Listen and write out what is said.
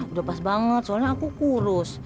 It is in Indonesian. udah pas banget soalnya aku kurus